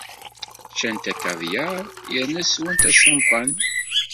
Ččant akavyaṛ yernu swant acampan.